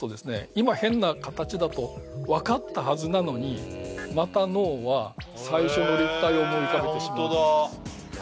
今変な形だと分かったはずなのにまた脳は最初の立体を思い浮かべてしまうんですへえ